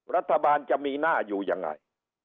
รัฐบาลจะมีหน้าอยู่ยังไง